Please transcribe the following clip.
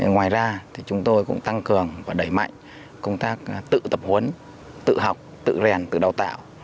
ngoài ra chúng tôi cũng tăng cường và đẩy mạnh công tác tự tập huấn tự học tự rèn tự đào tạo